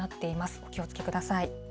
お気をつけください。